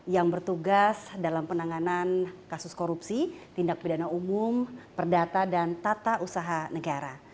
yang bertugas dalam penanganan kasus korupsi tindak pidana umum perdata dan tata usaha negara